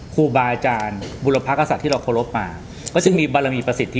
ครูบาอาจารย์บุรพกษัตริย์ที่เราเคารพมาก็จึงมีบารมีประสิทธิ